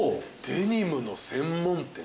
デニムの専門店。